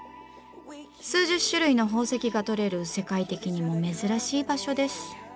数十種類の宝石がとれる世界的にも珍しい場所です。